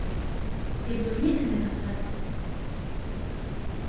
يبدو لي أنكَ صادق.